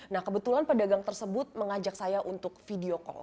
nah kebetulan pedagang tersebut mengajak saya untuk video call